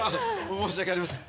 申し訳ありません。